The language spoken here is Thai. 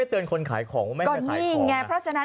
เอา